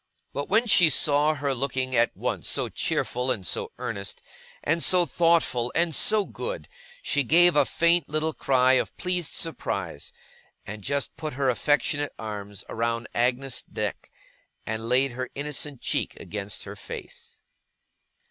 But when she saw her looking at once so cheerful and so earnest, and so thoughtful, and so good, she gave a faint little cry of pleased surprise, and just put her affectionate arms round Agnes's neck, and laid her innocent cheek against her face.